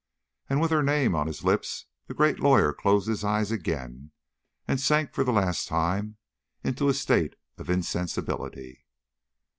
And with her name on his lips, the great lawyer closed his eyes again, and sank for the last time into a state of insensibility.